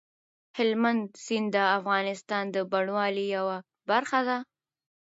هلمند سیند د افغانستان د بڼوالۍ یوه برخه ده.